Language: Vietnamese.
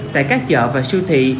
tại các chợ và siêu thị